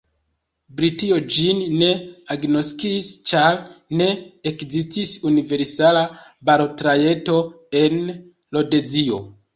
Britio ĝin ne agnoskis, ĉar ne ekzistis universala balotrajto en Rodezio.